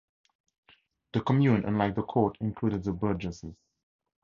The Commune, unlike the Court, included the burgesses.